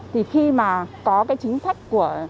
thì khi mà có cái chính sách của